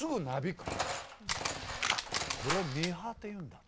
あっこれ「ミーハー」と言うんだ。